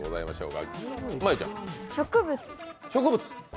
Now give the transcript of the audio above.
植物？